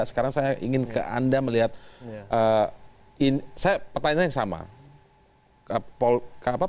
sekarang saya ingin ke anda melihat pertanyaannya yang sama